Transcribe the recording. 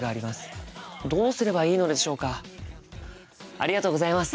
ありがとうございます。